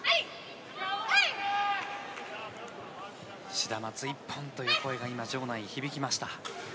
シダマツ１本という声が今、場内に響きました。